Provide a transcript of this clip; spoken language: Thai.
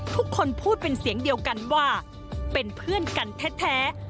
ทุกคนพูดเป็นเสียงเดียวกันว่าเป็นเพื่อนกันแท้